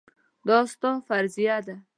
دا ستا فریضه ده.